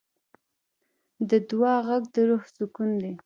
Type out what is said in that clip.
د دعا غږ د روح سکون دی.